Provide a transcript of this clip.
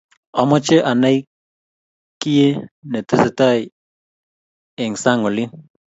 Omoche anai kiye tesetai eng sang olin